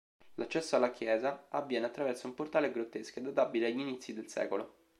L'accesso alla chiesa avviene attraverso un portale a grottesche, databile agli inizi del sec.